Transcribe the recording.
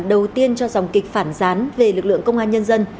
đầu tiên cho dòng kịch phản gián về lực lượng công an nhân dân